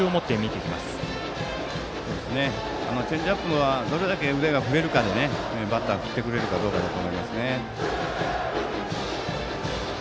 チェンジアップはどれだけ腕が振れるかでバッター、振ってくれるかどうかだと思いますね。